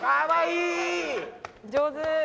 上手。